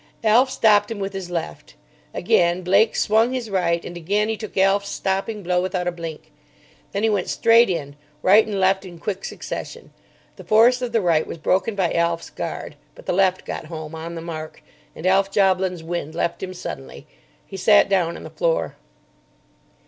Alf stopped him with his left. Again Blake swung his right, and again he took Alf's stopping blow without a blink. Then he went straight in, right and left in quick succession. The force of the right was broken by Alf's guard, but the left got home on the mark; and Alf Joblin's wind left him suddenly. He sat down on the floor.